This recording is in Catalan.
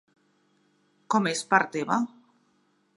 Com és part teva?